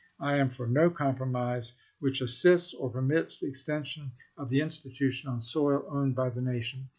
I am for no compromise which assists or per mits the extension of the institution on soil owned by the nation.